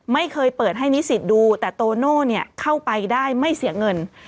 ไม่เคยเปิดให้นิสิตดูแต่โตโน่เข้าไปได้ไม่เสียเงิน